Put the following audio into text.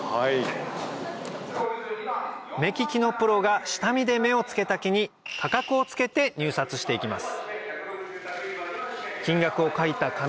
目利きのプロが下見で目をつけた木に価格をつけて入札していきます